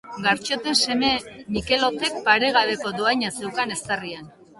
Gartxoten seme Mikelotek paregabeko dohaina zeukan eztarrian.